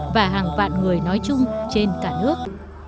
và hàng vạn người nói chung trên cả nước